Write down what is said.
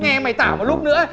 nghe mày tả một lúc nữa